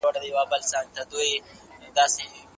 که ځان ارزونه سوې وي نو کمزوري نه وي.